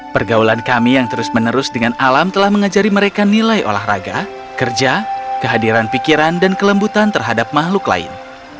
pergaulan kami yang terus menerus dengan alam telah mengajari mereka nilai olahraga kerja kehadiran pikiran dan kelembutan terhadap makhluk lain